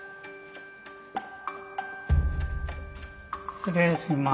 失礼します。